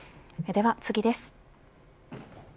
では次です。